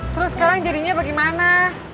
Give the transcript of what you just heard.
terus sekarang jadinya bagaimana